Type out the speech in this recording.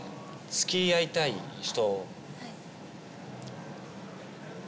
つきあいたい人？